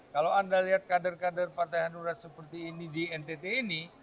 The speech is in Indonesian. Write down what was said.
kalau anda lihat kader kader partai hanura seperti ini di ntt ini